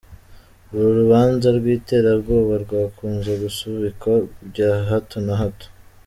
Uru rubanza rw'iterabwoba rwakunze gusubikwa bya hato na hato.